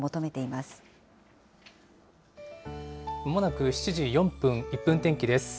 まもなく７時４分、１分天気です。